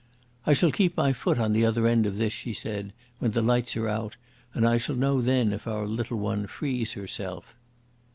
"I shall keep my foot on the other end of this," she said, "when the lights are out, and I shall know then if our little one frees herself."